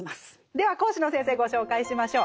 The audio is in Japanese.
では講師の先生ご紹介しましょう。